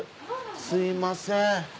すみません。